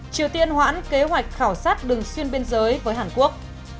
triều tiên hoãn kế hoạch khảo sát đường xuyên biên giới với hàn quốc